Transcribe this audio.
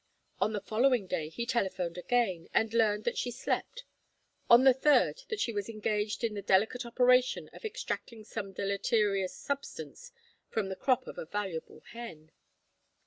On the following day he telephoned again, and learned that she slept, on the third that she was engaged in the delicate operation of extracting some deleterious substance from the crop of a valuable hen.